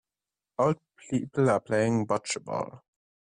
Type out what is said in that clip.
Old people are playing bocce ball.